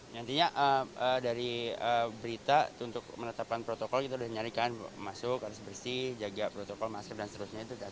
nantinya dari berita untuk menetapkan protokol kita sudah nyarikan masuk harus bersih jaga protokol masker dan seterusnya